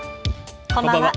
こんばんは。